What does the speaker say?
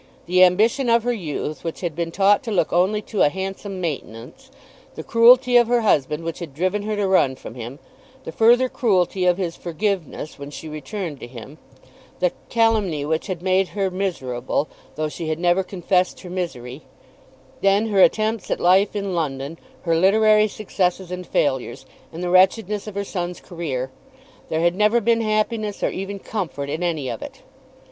The ambition of her youth which had been taught to look only to a handsome maintenance, the cruelty of her husband which had driven her to run from him, the further cruelty of his forgiveness when she returned to him; the calumny which had made her miserable, though she had never confessed her misery; then her attempts at life in London, her literary successes and failures, and the wretchedness of her son's career; there had never been happiness, or even comfort, in any of it.